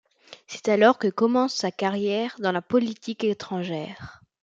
C'est alors que commence sa carrière dans la politique étrangère.